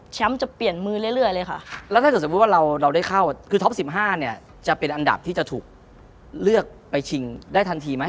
จะจะเป็นอันดับที่จะถูกเลือกไปชิงได้ทันทีไหม